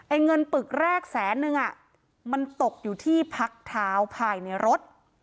เงินปึกแรกแสนนึงมันตกอยู่ที่พักเท้าภายในรถ